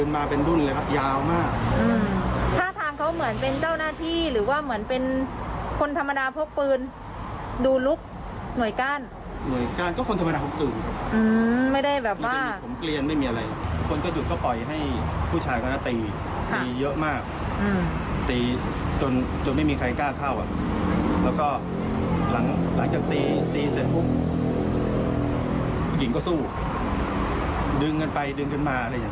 หญิงก็สู้ดึงกันไปดึงกันมาอะไรอย่างนี้ค่ะ